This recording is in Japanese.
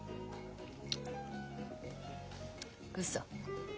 うそ。